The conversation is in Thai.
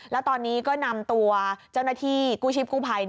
แล้วตอนนี้ก็นำตัวเจ้าหน้าที่กู้ชีพกู้ภัย